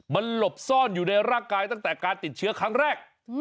มันหลบซ่อนอยู่ในร่างกายตั้งแต่การติดเชื้อครั้งแรก